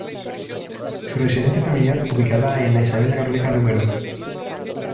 Su residencia familiar ubicada en la Isabel la Católica No.